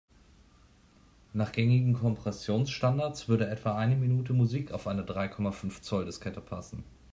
Nach gängigen Kompressionsstandards würde etwa eine Minute Musik auf eine drei Komma fünf Zoll-Diskette passen.